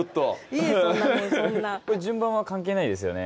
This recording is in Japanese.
いえそんな順番は関係ないですよね